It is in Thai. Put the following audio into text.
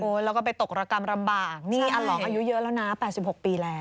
แล้วก็ไปตกระกรรมลำบากนี่อาหลองอายุเยอะแล้วนะ๘๖ปีแล้ว